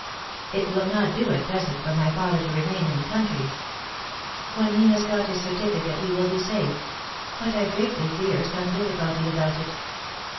It will not do at present for my father to remain in the country. When he has got his certifi cate, he will be safe ; but I greatly fear some difficulty about it."